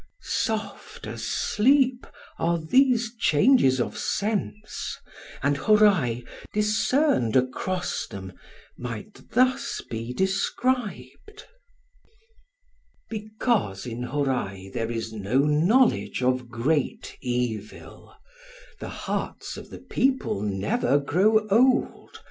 Soft as sleep are these changes of sense; and Hōrai, discerned across them, might thus be described:— _—Because in Hōrai there is no knowledge of great evil, the hearts of the people never grow old.